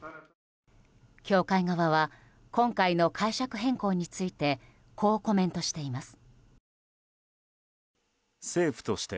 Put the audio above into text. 教会側は今回の解釈変更についてこうコメントしています。